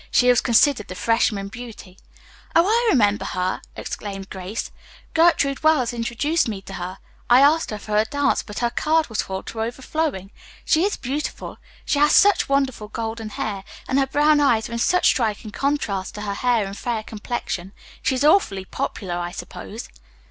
She was considered the freshman beauty. "Oh, I remember her!" exclaimed Grace. "Gertrude Wells introduced me to her. I asked for a dance, but her card was full to overflowing. She is beautiful. She has such wonderful golden hair, and her brown eyes are in such striking contrast to her hair and fair complexion. She is awfully popular, I suppose."